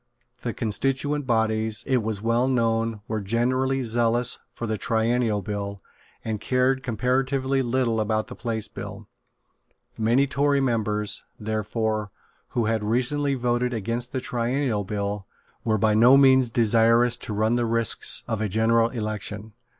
The constituent bodies, it was well known, were generally zealous for the Triennial Bill, and cared comparatively little about the Place Bill. Many Tory members, therefore, who had recently voted against the Triennial Bill, were by no means desirous to run the risks of a general election.